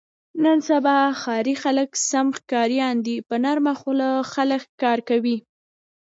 نن سبا ښاري خلک سم ښکاریان دي. په نرمه خوله خلک ښکار کوي.